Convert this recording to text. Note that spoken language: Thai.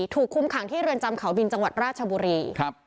ถูกคุมขังที่เรือนจำเขาบินจังหวัดราชบุรีครับ